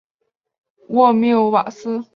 沃穆瓦斯。